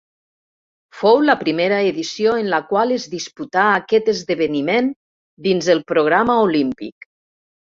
Fou la primera edició en la qual es disputà aquest esdeveniment dins el programa olímpic.